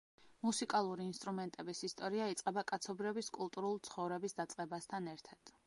მუსიკალური ინსტრუმენტების ისტორია იწყება კაცობრიობის კულტურულ ცხოვრების დაწყებასთან ერთად.